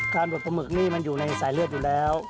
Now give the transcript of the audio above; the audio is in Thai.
บดปลาหมึกนี่มันอยู่ในสายเลือดอยู่แล้ว